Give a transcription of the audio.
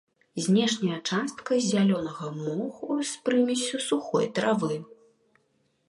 Знешняя частка з зялёнага моху з прымессю сухой травы.